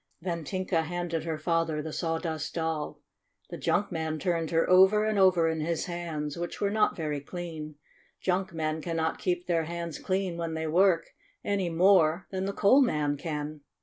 Then Tinka handed her father the Saw 07 98 STORY OF A SAWDUST DOLL dust Doll. The junk man turned her over and over in his hands, which were not very clean. J unk men cannot keep their hands clean when they work any more than the coal man can.